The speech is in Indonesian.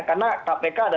karena kpk dan